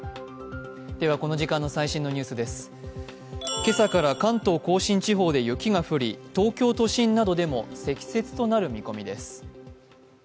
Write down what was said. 今朝から関東・甲信地方で雪が降り東京都心などでも積雪となる見込みです。